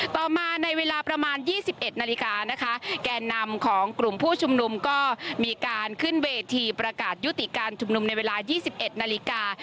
ต่อมาในเวลาประมาณ๒๑นาฬิกานะคะแก่นำของกลุ่มผู้ชุมนุมก็มีการขึ้นเวทีประกาศยุติการชุมนุมในเวลา๒๑นาฬิกา